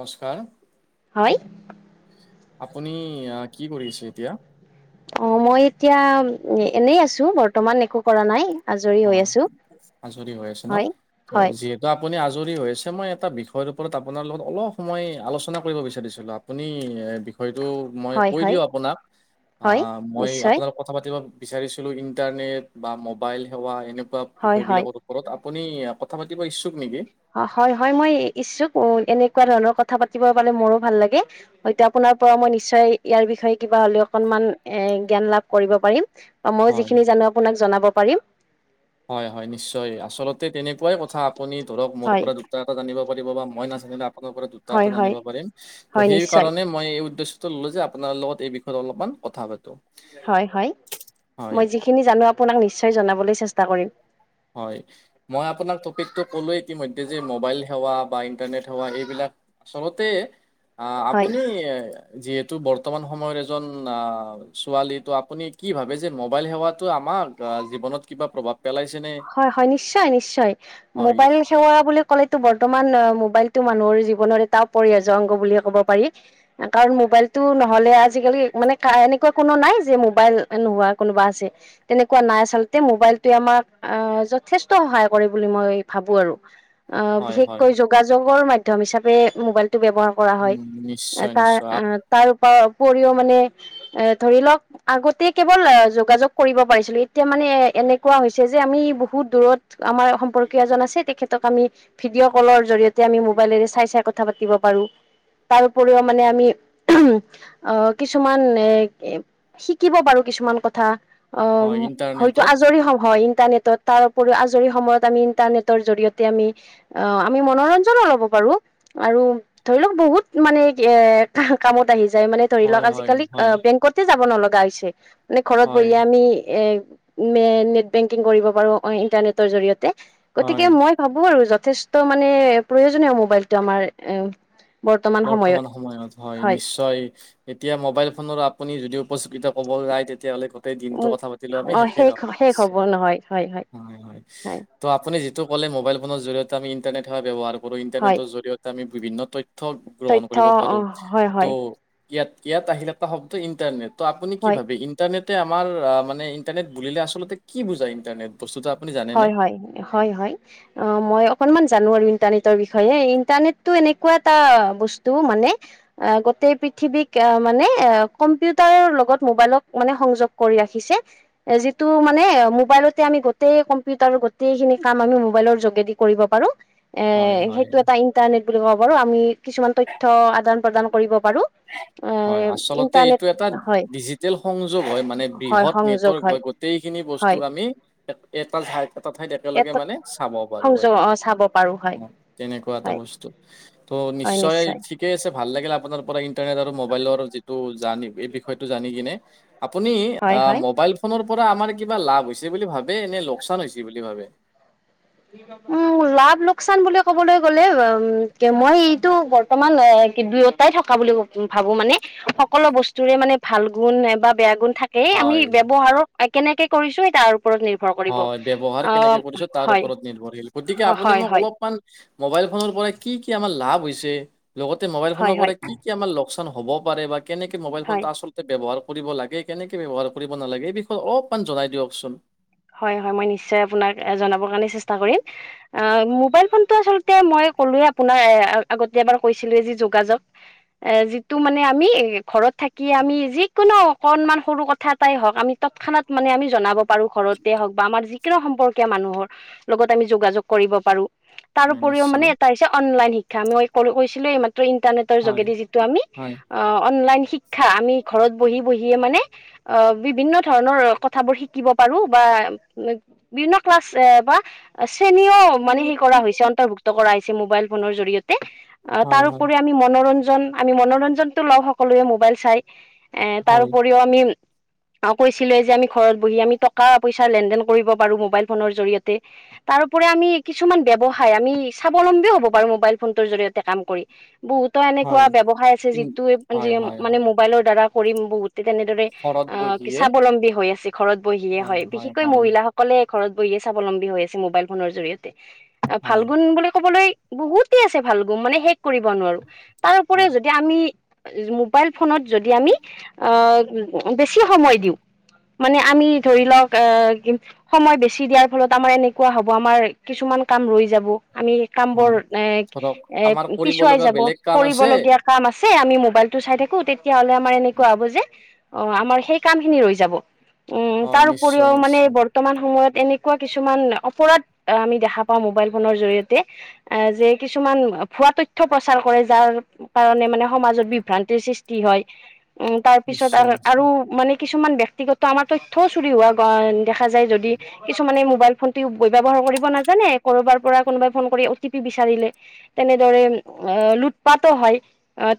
নমস্কাৰ, হয় আপুনি কি কৰি আছে এতিয়া? অ', মই এতিয়া এনেই আছো বৰ্তমান একো কৰা নাই। আজৰি হৈ হয় আছো আজৰি হৈ আছে ন হয় ত' হয় যিহেতু ত আপুনি আজৰি হৈছে মই এটা বিষয়ৰ ওপৰত আপোনাৰ লগত অলপ সময় আলোচনা কৰিব বিচাৰিছিলো। আপুনি বিষয়টো মই হয় কৈ হয় দিও আপোনাক হয় অ', মই নিশ্চয় আপোনাক কথা পাতিব বিচাৰিছিলো ইণ্টাৰনেট বা মোবাইল সেৱা এনেকুৱা হয় বিষয় হয় বিলাকত ওপৰত আপুনি কথা পাতিব ইচ্ছুক নিকি? অ হয় হয় মই ইচ্ছুক এনেকুৱা ধৰণৰ কথা পাতিব পালে মোৰো ভাল লাগে হয়টো আপোনাৰ পৰা মই নিশ্চয় ইয়াৰ বিষয়ে কিবা হলেও অকনমান এই জ্ঞান লাভ কৰিব পাৰিম। বা মই হয়। যিখিনি জানো আপোনাক জনাব পাৰিম। হয় হয় নিশ্চয় আচলতে তেনেকুৱাই কথা আপুনি ধৰক মোৰ হয় পৰা দু দুটা এটা জানিব পাৰিব বা মই নাজানিলে আপোনাৰ পৰা দুটা হয় এটা হয় জানিব পাৰিম ত' হয় নিশ্চয় সেইকাৰণে মই এই উদ্দেশ্যটো ল'লো যে আপোনাৰ লগত এই বিষয়ে অলপমান কথা পাতো। হয় হয় হয় মই যিখিনি জানো আপোনাক নিশ্চয় জনাবলৈ চেষ্টা কৰিম। হয়। মই আপোনাক টপিকটো ক'লোয়ে ইতিমধ্যে যে মোবাইল সেৱা বা ইণ্টাৰনেট সেৱা এইবিলাক চবতে অ' হয় আপুনি যিহেতু বৰ্তমান সময়ত এজন অ ছোৱালীটো আপুনি কি ভাবে যে মোবাইল সেৱটো আমাৰ জীৱনত কিবা প্ৰভাৱ পেলাইছে নে হয় হয় নিশ্চয় নিশ্চয় মোবাইল সেৱা বুলি ক'লেতো বৰ্তমান মোবাইলটো মানুহৰ জীৱনৰ এটা অপৰিহাৰ্য্য অংগ বুলিয়ে ক'ব পাৰি। কাৰণ মোবাইলটো নহ'লে আজিকালি মানে এনেকুৱা কোনো নাই যে মোবাইল নোহোৱা কোনোবা আছে। তেনেকুৱা নাই আচলতে মোবাইলটোৱে আমাক যথেষ্ট সহায় কৰে বুলি মই ভাবো আৰু হয় হয় বিশেষকৈ যোগ যোগাযোগৰ মাধ্যম হিচাপে মোবাইলটো ব্যৱহাৰ কৰা হয় উম, নিশ্চয় তাৰ নিশ্চয় তাৰ ওপৰ উপৰিও মানে এই ধৰি লওক আগতে কেৱল যোগাযোগ কৰিব পাৰিছিলো এতিয়া মানে এনেকুৱা হৈছ যে আমি বহুত দূৰত আমাৰ সম্পৰ্কীয় এজন আছে তেখেতক আমি ভিডিঅ' কলৰ জৰিয়তে আমি মোবাইলেৰে চাই চাই কথা পাতিব পাৰো। তাৰ উপৰিও মানে আমি কিছুমান এই শিকিব পাৰো কিছুমান কথা হয় হয়তো ইণ্টাৰনেটত আজৰি [unintelligible] ইণ্টাৰনেটত তাৰ উপৰিও আজৰি সময়ত আমি ইণ্টাৰনেটৰ জৰিয়তে আমি অ' আমি মনোৰঞ্জনো ল'ব পাৰো আৰু ধৰি লওক বহুত মানে এ কামত আহি যায় মানে ধৰি হয় লওক হয় আজিকালি হয় বেংকতে যাব নলগা হৈছে মানে ঘৰত হয় বহিয়ে আমি এ নেট বেংকিং কৰিব পাৰো ইন্টাৰনেটৰ জৰিয়তে গতিকে হয় মই ভাবো আৰু যথেষ্ট মানে প্ৰয়োজনীয় মোবাইলটো আমাৰ বৰ্তমান সময়ত হয় নিশ্চয়। এতিয়া মোবাইল ফোনৰ আপুনি যদি উপযোগিতা ক'ব যায় তেতিয়াহ'লে ক গোতেই দিনটো উম কথা পাতিলেও আমি অ শেষেই শেষ ন'হব। শেষ হ'ব নহয় হয় হয়। ত' আপুনি যিটো ক'লে ম'বাইল ফোনৰ জৰিয়তে আমি ইণ্টাৰনেটৰ সেৱা ব্যৱহাৰ কৰো হয় ইণ্টাৰনেটৰ জৰিয়তে আমি বিভিন্ন তথ্য তথ্য গ্ৰহণ তথ্য কৰিব অ পাৰো হয় ত' হয় ইয়াত ইয়াত আহিল এটা শব্দ ইন্টাৰনেট তো' আপুনি কি হয় ভাবে ইণ্টাৰনেটে আমাৰ মানে ইণ্টাৰনেট বুলিলে আচলতে কি বুজাই ইণ্টাৰনেট বস্তটো আপুনি জানে হয় হয় হয় হয়। অ মই অকনমান জানো আৰু ইণ্টাৰনেটৰ বিষয়ে ইণ্টাৰনেটটো এনেকুৱা এটা বস্তু মানে গোটেই পৃথিৱীক মানে কম্পিউটাৰৰ লগত মোবাইলক মানে সংযোগ কৰি ৰাখিছে। এ যিটো মানে মোবাইলতে আমি গোটেই ক কম্পিউটাৰৰ গোটেই খিনি কাম আমি মোবাইলৰ যোগেদি কৰিব পাৰো এ হয় হয় সেইটো এটা ইন্টা ইণ্টাৰনেট বুলি কব পাৰো আমি কিছুমান তথ্য আদান প্ৰদান কৰিব পাৰো। এ হয় আচলতে ইণ্টাৰনেট এইটো এটা হয় ডিজিটেল সংযোগ হয় মানে হয় বৃহৎ সংযোগ নেটৱাৰ্ক হয় গোটেইখিনি হয় বস্তুক আমি এটা ঠাই এটা ঠাইত একেলগে ইয়াত মানে চাব পাৰো সংযোগ একে অ চাব পাৰো হয় অ তেনেকুৱা হয় এটা বস্তু ত' নিশ্চয় ঠিক ঠিকে আছে ভাল লাগিলে আপোনাৰ পৰা ইন্টাৰনেট আৰু মোবাইলৰ যিটো জাৰ্নি এই বিষয়টো জানি কিনে আপুনি হয় হয় মোবাইল ফোনৰ পৰা আমাৰ কিবা লাভ হৈছে বুলি ভাবে নে লোকচান হৈছে বুলি ভাবে উম লাভ লোকচান বুলি কবলৈ গ'লে উম মই এইটো বৰ্তমান দুয়োটাই থকা বুলি ভাবো মানে সকলো বস্তুৰে মানে ভাল গুণ বা বেয়া গুণ থাকে সেই আমি হয় ব্যৱহাৰৰ কেনেকে কৰিছো তাৰ ওপৰত নিৰ্ভৰ নিৰ্ভৰ কৰিব হয়, ব্যৱহাৰ অ কেনেকে কৰিছো তাৰ হয়। ওপৰত নিৰ্ভৰশীল গতিকে আপুনি হয় মোক হয় অলপমান মোবাইল ফোনৰ পৰা কি কি লাভ হৈছে? লগতে মোবাইল হয় ফোনৰ হয় পৰা কি কি আমাৰ লোকচান হ'ব পাৰে বা কেনেকে মোবাইল হয় ফোনটো আচলতে ব্যৱহাৰ কৰিব লাগে কেনেকে ব্যৱহাৰ কৰিব নালাগে এই বিষয়ে অলপমান জনাই দিয়কচোন। হয় হয় মই নিশ্চয় আপোনাক জনাবৰ কাৰণে চেষ্টা কৰিম। অ মোবাইল ফোনটো আচলতে মই ক'লোৱে আপোনাৰ আগতে এবাৰ কৈছিলো যি যোগাযোগ এ যিটো মানে আমি ঘৰত থাকি আমি যিকোনো অকনমান সৰু কথা এটাই হওঁক আমি তৎক্ষণাৎ মানে আমি জনাব পাৰো ঘৰত হওক বা আমাৰ যিকোনো সম্পৰ্কীয় মানুহৰ লগত আমি যোগাযোগ কৰিব পাৰো। তাৰ হয়, উপৰিও মানে নিশ্চয়। এটা হৈছে অনলাইন শিক্ষা মই কৈছিলো এই মাত্ৰ ইণ্টাৰনেটৰ হয়, যোগেদি যিটো আমি হয়, অ অনলাইন শিক্ষা আমি ঘৰত বহি বহিয়ে মানে অ বিভিন্ন ধৰণৰ কথাবোৰ শিকিব পাৰো বা বিভিন্ন ক্লাছ বা শ্ৰেণীও মানে সেই কৰা হৈছে অন্তৰ্ভুক্ত কৰা হৈছে মোবাইল ফোনৰ জৰিয়তে হয়, তাৰ হয়, ওপৰি মনোৰঞ্জন আমি মনোৰঞ্জনটো লওঁ সকলোৱে মোবাইল চাই হয়, তাৰপৰিও আমি কৈছিলে যে আমি ঘৰত বহি আমি টকা পইচা লেনদেন কৰিব পাৰো মোবাইল ফোনৰ জৰিয়তে। তাৰোপ আমি কিছুমান ব্যৱসায় আমি স্বাৱলম্বীও হ'ব পাৰো মোবাইল ফোনত ফোনটোৰ জৰিয়তে কাম কৰি। বহুতো হয়, এনেকুৱা ব্যৱসায় আছে কিন জিতু হয়, হয়, মানে হয়, মোবাইলৰ দ্বাৰা কৰিম বহুত তেনেদৰে ঘৰত অ বহিয়ে স্বাৱলম্বীও হৈ আছে ঘৰত বহিয়ে হয়, বিশেষকৈ মহিলাসকল সকলোৱে ঘৰত বহিয়ে স্বাৱলম্বী হৈ আছে মোবাইল ফোনৰ জৰিয়তে, ভাল হয়, গুণ বুলি কবলৈ বহুতে আছে ভাল গুম মানে শেষ কৰিব নোৱাৰো। তাৰ হয়, উপৰিও যদি তে আমি মোবাইল ফোনত যদি আমি আহ বেছি সময় দিওঁ মানে আমি ধৰি লওক আহ কি সময় বেছি দিয়াৰ ফলত আমাৰ এনেকুৱা হ'ব আমাৰ কিছুমান কাম ৰৈ যাব, আমি কামবোৰ হয়, এ ধৰক আমাৰ এ কৰিব পিছুৱাই লগা যাব, বেলেগ কাম আছে, কৰিবলগীয়া কাম আছে, আমি মোবাইলটো চাই থাকো তেতিয়াহ'লে আমাৰ এনেকুৱা হ'ব যে অ আমাৰ সেই কামখিনি ৰৈ যাব, উম হয়, তাৰ উপৰিও নিশ্চয়, মানে এই নিশ্চয়, বৰ বৰ্তমান সময়ত এনেকুৱা কিছুমান অপৰাধ আমি দেখা পাওঁ মোবাইল ফোনৰ জৰিয়তে এ যে কিছুমান ভুৱা তথ্য প্ৰচাৰ কৰে যাৰ কাৰণে মানে সমাজত বিভ্ৰান্তিৰ সৃষ্টি হয়। উম তাৰপিছত নিশ্চয়, আৰু আৰু নিশ্চয়, মানে কিছুমান ব্যক্তিগত আমাৰ তথ্য চুৰি হোৱা দেখা যায় যদি কিছুমানে মোবাইল ফোনটো ব্যয়ৱহাৰ কৰিব নাজানে কৰবাৰ পৰা কোনোবাই ফোন কৰি অ টি পি বিচাৰিলে তেনেদৰে লুটপাতো হয়,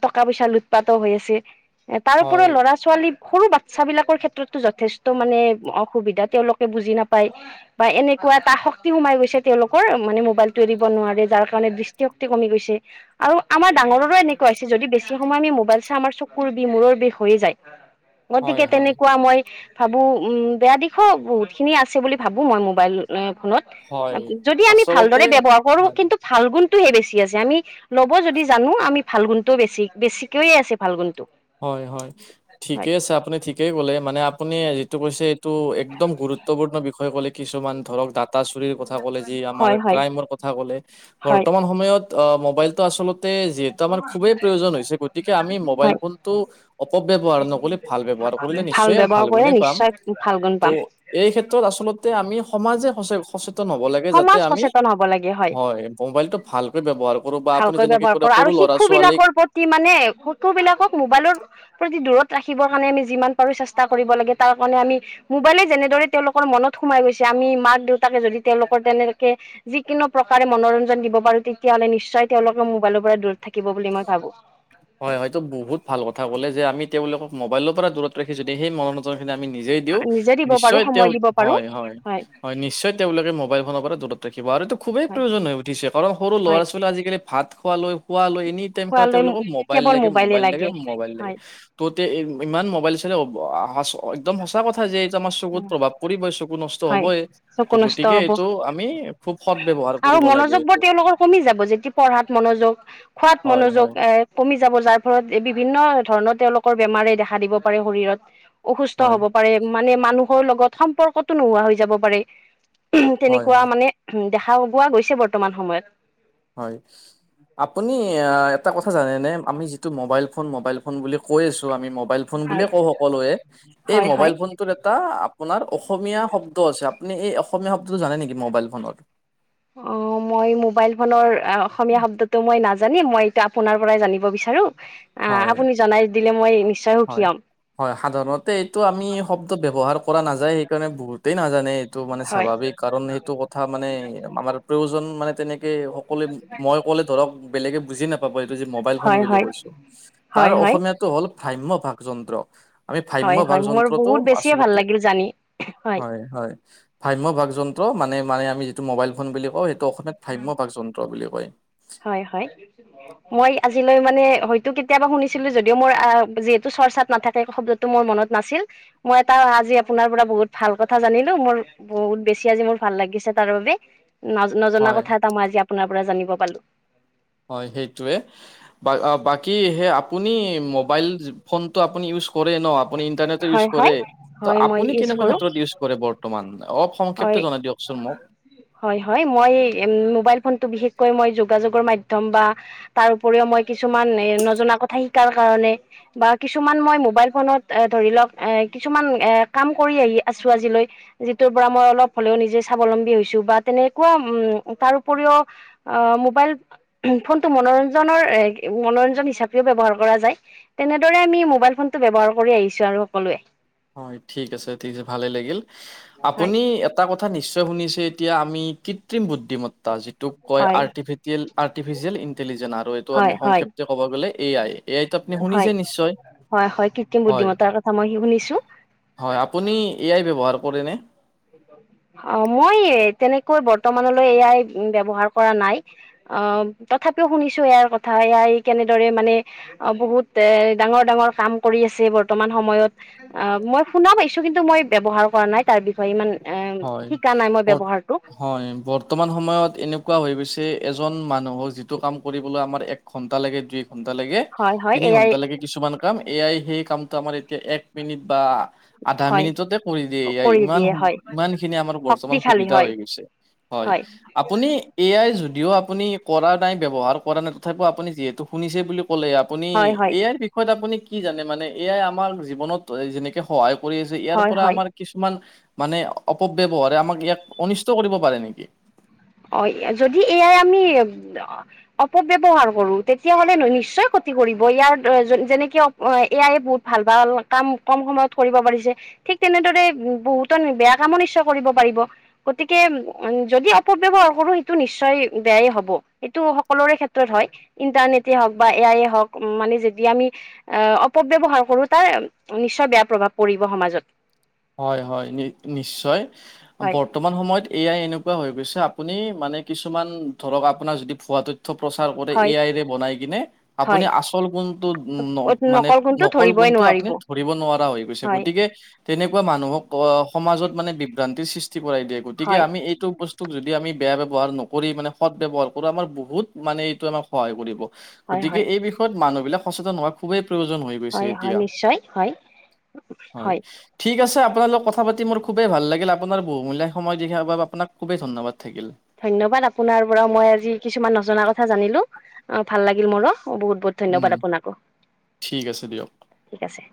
টকা পইচা লুটপাতো হৈ আছে। এ তাৰপৰা হয়, ল'ৰা-ছোৱালীক সৰু বাচ্ছা বিলাকৰ ক্ষেত্ৰতো যথেষ্ট টো মানে অসুবিধা তেওঁলোকে বুজি নাপায় বা এনেকুৱা এটা শক্তি সোমাই গৈছে তেওঁলোকৰ মানে মোবাইলটো এৰিব নোৱাৰে যাৰ কাৰণে বৃষ্টিশক্তি কমি গৈছে। আৰু আমাৰ ডাঙৰৰো এনেকুৱা হৈছে যদি বেছি সময় আমি মোবাইল চাই আমাৰ চকুৰ বিষ মূৰৰ বিষ হৈ যায়। হয়, গতিকে হয়। তেনেকুৱা মই ভাবোঁ বেয়া দিশো বহুতখিনি আছে বুলি ভাবোঁ মই মোবাইল ফোনত। হয় যদি আমি আচলতে ভালদৰে ব্যৱহাৰ কৰো হয় কিন্তু ভাল গুণতটোহে বেছি আছে, আমি ল'ব যদি জানো আমি ভাল গুণটোও বেছি বেছিকৈয়ে আছে ভাল গুণটো হয় হয় হয় ঠিকেই আছে আপুনি ঠিকেই কলে মানে আপুনি যিটো কৈছে এইটো এক একদম গুৰুত্বপূৰ্ণ বিষয় কলে কিছুমান ধৰক ডাটা চুৰ ক'লে যি আমাৰ হয় হয় ক্ৰাইমৰ কথা ক'লে হয় বৰ্তমান সময়ত অ মোবাইলটো আচলতে যিহেতু আমাৰ খুবেই প্ৰয়োজন হৈছে গতিকে আমি মোবাইল হয় ফোন টো অপব্যৱহাৰ নকৰিলে ভাল ব্যৱহাৰ কৰিলে নিশ্চয় আৰু ব্যৱহাৰ ভাল কৰে গুণেই পাম। নিশ্চয় ভাল গুণ ত পাম এই ক্ষেত্ৰত আচলতে আমি সমাজে সচ সচেত তন হ'ব লাগে যাতে সমাজ আমি সচেতন হ'ব লাগে হয়, মোবাইলটো ভালকে ব্যৱহাৰ কৰো বা আপুনি যেনেকৈ কৰা আৰু শিশু বিলাকৰ প্ৰতি মানে শিশু বিলাকক মোবাইলৰ প্ৰতি দূৰত ৰাখিবৰ কাৰণে আমি যিমান পাৰো চেষ্টা কৰিব লাগে, তাৰ কাৰণে আমি মোবাইলে যেনেদৰে তেওঁলোকৰ মনত সোমাই গৈছে, আমি মাক দেউতাকে যদি তেওঁলোকৰ তেনেকে যিকোনো প্ৰকাৰে মনোৰঞ্জন দিব পাৰো তেতিয়া হ'লে নিশ্চয় তেওঁলোকৰ মোবাইলৰ পৰা দূৰত থাকিব বুলি মই ভাবো। হয় হয়তো বহুত ভাল কথা ক'লে, যে আমি তেওঁলোকক মোবাইলৰ পৰা দূৰত ৰাখিছ যদি সেই মনত [unintelligible] আমি নিজে দিওঁ নিজে দিব পাৰোঁ নিশ্চয় সময় তেওঁ দিব পাৰোঁ হয় হয় হয় নিশ্চয় তেওঁলোকে মোবাইল ফনৰ পৰা দূৰত ৰাখিব, আৰু এইটো খুবেই হয় প্ৰয়োজন হৈ উঠিছে কাৰণ সৰু হয় ল'ৰা ছোৱালী আজিকালি ভাত খোৱালৈ খোৱ লৈ এনি টাইম খে খোৱালৈ তেওঁলোকৰ মোবাইল কেৱল লাগে, মোবাইলে মোবাইল লাগে, মোবাইল লাগে। হয় ত তে ইমান মোবাইল চালে অ আ চ একদম সঁচা কথা যে এইটো আমাৰ চকুত প্ৰভাৱ পৰিবই, চকু নষ্ট হয় হ'বই, ত' চকু নষ্ট গতিকে হ'ব এইটো আমি খুব সদ ব্যৱহাৰ আৰু কৰিব লাগে মনোযোগ বোৰ এইটো তেওঁলোকৰ কমি যাব, যেতিয়া পঢ়াত মনোযোগ খোৱাত হয় হয় মনোযোগ এ কমি যাব যাৰ ফলত বিভিন্ন ধৰণৰ তেওঁলোকৰ বেমাৰে দেখা দিব পাৰে শৰীৰত অসুস্থ- ত হয় হব পাৰে মানে মানুহৰ লগত সম্পৰ্কতো নোহোৱা হৈ যাব পাৰে। হয় তেনেকুৱা মানে উম দেখা গোৱা গৈছে বৰ্তমান সময়ত। হয়, আপুনি অঁ এটা কথা জানেনে আমি যি- টো মোবাইল ফোন মোবাইল ফোন বুলি কৈ আছো আমি মোবাইল ফোন বুলিয়ে কওঁ সকলোৱে। এই হয় হয় মোবাইল ফোন- টোট এটা আপোনাৰ অসমীয়া শব্দ আছে আপুনি এই অসমীয়া শব্দটো জানে নেকি মোবাইল ফোনৰ? অঁ মই মোবাইল ফোনৰ অসমীয়া শব্দট- টো মই নাজানি, মই এতিয়া আপোনাৰ পৰাই জানিব বিচাৰো। ত- আঁ হয় আপুনি জনাই দিলে মই নিশ্চয় হয় সুখী হ'ম। হয়, সাধাৰণতে এইটো আমি শব্দ ব্যৱহাৰ কৰা নাযায়, সেইকাৰণে বহুত- তেই নাজানে এইটো মানে হয় স্বাভাৱিক, কাৰণ এইটো কথা মানে আমাৰ প্ৰয়োজন মানে তেনেকে- সকলোৱে মই ক'লে ধৰক বেলেগে বুজি নাপাব এইটো যে মোবাইল ফোন হয় হয় বুলি হয় কৈছো। তাৰ হয় হয়। অসমীয়াত- এইটো হল ভাম্য ভাগ যন্ত্ৰ। আমি ভাম্য হয় ভাগ হয় মোৰ যন্ত্ৰটো বহুত বেছিয়ে ভাল আচলতে লাগিল জানি হয় হয়। ভাম্য ভাগ যন্ত্ৰ মানে মানে আমি যিটো মোবাইল ফোন বুলি কওঁ, সেইটো অসমীয়াত ভাম্য ভাগ যন্ত্ৰ বুলি কয়। হয় হয়। মই আজিলৈ মানে হয়তো কেতিয়াবা শুনিছিলো যদিও মোৰ আ যিহেতু চৰ্চাত নাথাকে শব্দট- টো মোৰ মনত নাছিল, মই এটা আজি আপোনাৰ পৰা বহুত ভাল কথা জানিলো মোৰ- বহুত বেছি আজি মোৰ ভাল লাগিছে তাৰ মানে নজনা হয় কথা এটা মই আজি আপোনাৰ পৰা জানিব পালো। হয় সেইটোৱে। বা অঁ বাকী সে আপুনি মোবাইল ফোনটো আপুনি ইউজ কৰে ন। আপুনি ইণ্টাৰনেটো ইউজ হয় হয় কৰে, ত হয় মই আপুনি ইউজ কেনেকুৱা কৰো ক্ষেত্ৰত ইউজ- কৰে বৰ্তমান অলপ হয় সংক্ষেপ্ত জনাই দিয়কচোন মোক। হয় হয়, মই মোবাইল ফোনটো বিশেষকৈ মই যোগাযোগৰ মাধ্যম বা- তাৰ উপৰিও মই কিছুমান এ নজনা কথা শিকাৰ কাৰণে- বা কিছুমান মই মোবাইল ফোনত ধৰি লওক এ কিছুমান এ কাম কৰি আহি আছো আজিলৈ- যিটোৰ পৰা মই অলপ হলেও নিজে স্বাৱলম্বী হৈছো বা তেনেকুৱা উম তাৰ উপৰিও- অ' মোবাইল ফোনটো, মনোৰঞ্জনৰ মনোৰঞ্জন হিচাপেও ব্যৱহাৰ কৰা যায়। তেনেদৰে আমি মোবাইল ফোনটো ব্যৱহাৰ কৰি আহিছো আৰু সকলোৱে। হয়, ঠিক আছে, ঠিক আছে ভালে লাগিল, হয় আপুনি- এটা কথা নিশ্চয় শুনিছে এতিয়া আমি কৃত্ৰিম বুদ্ধিমত্তা- টোক কয় হয় আৰ্টিয়েল, আৰ্টিফিচিয়েল ইণ্টেলিজেন আৰু এইটো আমি হয় হয় সংক্ষেপ্তে ক'ব গ'লে এ আই। এ আইটো আপুনি হয়, শুনিছে নিশ্চয় হয় হয়, কৃত্ৰিম হয় বুদ্ধিমত্তাৰ কথা মই শুনিছো। হয়, আপুনি এ আই ব্যৱহাৰ কৰেনে? অঁ মই তেনেকৈ বৰ্তমানলৈ এ আই ব্যৱহাৰ কৰা নাই। অঁ তথাপিও শুনিছো এ আইৰ কথা এ আই কেনেদৰে মানে- অঁ, বহুত এ ডাঙৰ ডাঙৰ কাম কৰি আছে বৰ্তমান সময়ত। অঁ, মই শুনা পাইছো, কিন্তু মই ব্যৱহাৰ কৰা নাই তাৰ বিষয়ে ইমান। এঁ হয়, শিকা নাই মই বৰ্ত ব্যৱহাৰটো। হয়, বৰ্তমান সময়ত এনেকুৱা হৈ গৈছে এজন মানুহক যিটো কাম কৰিবলৈ আমাৰ এক- ঘন্টা লাগে, দুই ঘন্টা লাগে, হয় হয় তিনি এয়াই ঘণ্টা লেকে- কিছুমান কাম, এ আই সেই কামটো আমাৰ এতিয়া এক মিনিট বা- আধা হয় মিনিটতে কৰি দিয়ে এ আই কৰি ইমান দিয়ে সো- হয় ইমান খিনি আমাৰ বৰ্তমান শক্তিশালী সুবিধা হয় হৈ গৈছে, হয়। আপুনি এ আই যদিও, আপুনি কৰা নাই ব্যৱহাৰ কৰা নাই, তথাপিও আপুনি যিহেতু শুনিছে বুলি ক'লে ইয়াত। আপুনি, হয় হয় এ আইৰ বিষয়ে আপুনি কি জানে, মানে এ আই আমাৰ জীৱনত যেনেকে সহায় কৰি আছে, ইয়াৰ হয় পৰা হয় আমাৰ কিছুমান মানে অ অপব্যৱহাৰে আমাক ইয়াক অনিষ্ট কৰিব পাৰে নেকি? অ', এ যদি এ আই আমি অ অপব্যৱহাৰ কৰো, তেতিয়া হ'লে ন নিশ্চয় ক্ষতি কৰিব, ইয়াৰ অ যেনেকে অ এ আইয়ে বহুত ভাল ভাল, কাম কম সময়ত কৰিব পাৰিছে। ঠিক তেনেদৰে বহুতন বেয়া কামো নিশ্চয় কৰিব পাৰিব, গতিকে, উম, যদি অপ পব্যৱহাৰ কৰো, সেইটো নিশ্চয় বেয়াই হ'ব, সেইটো সকলোৰে ক্ষেত্ৰত হয়। ইণ্টাৰনেটে হওক বা এ আইয়ে হওক, মানে যদি আমি আহ, অপব্যৱহাৰ কৰো, তাৰ নিশ্চয় বেয়া প্ৰভাৱ পৰিব সমাজত। হয়, হয়, নি নিশ্চয় হয় বৰ তমান সময়ত এ আই এনেকুৱা হৈ গৈছে, আপুনি মানে কিছুমান ধৰক, আপোনাৰ যদি ভুৱাটো থ প্ৰচাৰ কৰে, এ হয় আই বনাই কিনে, আপুনি হয় আচল কোনটো ন মানে গুণটো নকল ধৰিবই কোনটো নোৱাৰিব আপুনি ধৰিব নোৱাৰা হৈ গৈছে, হয় গতিকে তেনেকুৱা মানুহক, অ সমাজত মানে বিভ্ৰান্তিৰ সৃষ্টি কৰাই দিয়ে, গতিকে হয় আমি এই তোক বস্তুক যদি আমি বেয়া ব্যৱহাৰ নকৰি মানে, সদ্ ব্যৱহাৰ কৰোঁ, আমাৰ বহুত মানে এইটো আমাৰ সহায় কৰিব, হয় গতিকে হয় এই বিষয়ত মানুহ বিলাক সচেতন হোৱা খুবেই প্ৰয়োজন হৈ গৈছে হয় হয় এতিয়া, নিশ্চয় হয় হয়। ঠিক আছে আপোনা লগত কথা পাতি মোৰ খুবেই ভাল লাগিল, আপোনাৰ বহুূলীয়া সময় দিয়াৰ বাবে, আপোনাক খুবেই ধন্যবাদ। থাকিল। ধন্যবাদ, আপোনাৰ পৰা মই আজি কিছুমান নজনা কথা জানিলো, অ', ভাল লাগিল মোৰো, বহুত বহুত। উম ধন্যবাদ আপোনাকো, ঠিক আছে দিয়ক। ঠিক আছে।